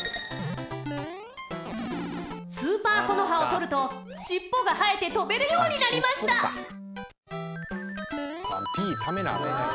スーパーこのはを取るとしっぽが生えて飛べるようになりました有野：あの「Ｐ」ためなアカン。